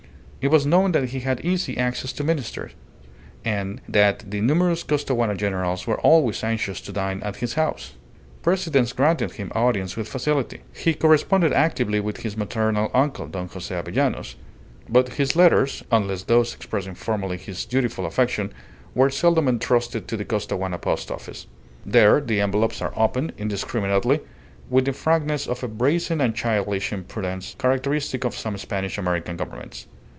It was known that he had easy access to ministers, and that the numerous Costaguana generals were always anxious to dine at his house. Presidents granted him audience with facility. He corresponded actively with his maternal uncle, Don Jose Avellanos; but his letters unless those expressing formally his dutiful affection were seldom entrusted to the Costaguana Post Office. There the envelopes are opened, indiscriminately, with the frankness of a brazen and childish impudence characteristic of some Spanish American Governments.